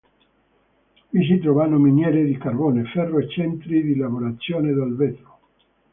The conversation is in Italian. Vi si trovano miniere di carbone, ferro e centri di lavorazione del vetro.